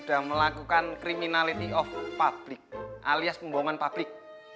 sedang melakukan criminality of public alias pembohongan publik